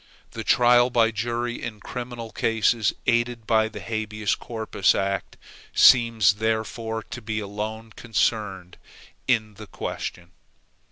The trial by jury in criminal cases, aided by the habeas corpus act, seems therefore to be alone concerned in the question.